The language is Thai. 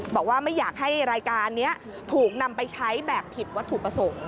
บอกว่าไม่อยากให้รายการนี้ถูกนำไปใช้แบบผิดวัตถุประสงค์